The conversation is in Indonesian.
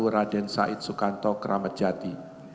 raden said sukanto keramajati